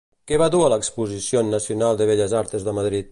Què va dur a l'Exposición Nacional de Bellas Artes de Madrid?